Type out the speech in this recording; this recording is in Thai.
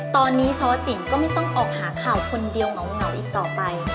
ตอนนี้ซ้อจิ๋งก็ไม่ต้องออกหาข่าวคนเดียวเหงาอีกต่อไป